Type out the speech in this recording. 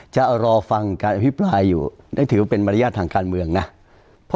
จะรอฟังการอภิปรายอยู่นั่นถือว่าเป็นมารยาททางการเมืองนะ